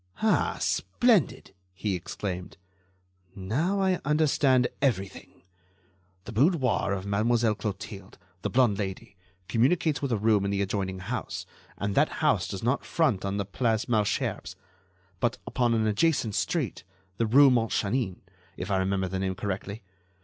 "Ah! splendid!" he exclaimed. "Now I understand everything. The boudoir of Mademoiselle Clotilde—the blonde Lady—communicates with a room in the adjoining house, and that house does not front on the Place Malesherbes, but upon an adjacent street, the rue Montchanin, if I remember the name correctly....